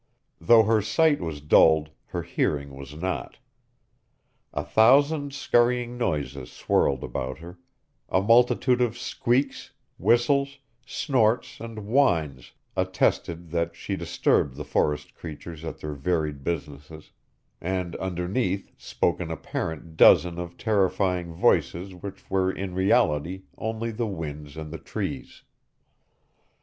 Though her sight was dulled, her hearing was not. A thousand scurrying noises swirled about her; a multitude of squeaks, whistles, snorts, and whines attested that she disturbed the forest creatures at their varied businesses; and underneath spoke an apparent dozen of terrifying voices which were in reality only the winds and the trees.